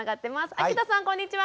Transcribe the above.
秋田さんこんにちは。